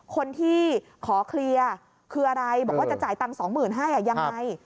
คนที่ขอเคลียร์คืออะไรบอกว่าจะจ่ายตังค์สองหมื่นให้ยังไง